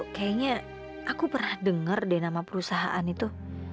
kayaknya aku pernah dengar deh nama perusahaan itu